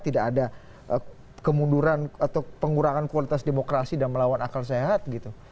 tidak ada kemunduran atau pengurangan kualitas demokrasi dan melawan akal sehat gitu